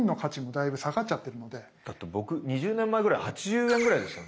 だって僕２０年前ぐらい８０円ぐらいですよね。